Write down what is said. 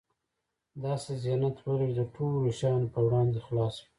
داسې ذهنيت ولره چې د ټولو شیانو په وړاندې خلاص وي.